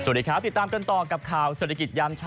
สวัสดีครับติดตามกันต่อกับข่าวศพรศนิกษ์ย่ำเช้า